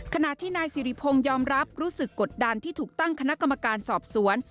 ขณะที่นายสิริพงศ์ยอมรับรู้สึกกดดันที่ถูกตั้งคณะกรรมการสอบสวน